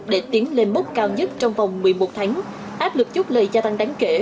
để tiến lên mốc cao nhất trong vòng một mươi một tháng áp lực chút lời gia tăng đáng kể